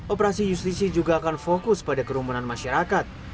operasi justisi juga akan fokus pada kerumunan masyarakat